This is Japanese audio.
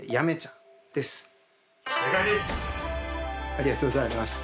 ありがとうございます。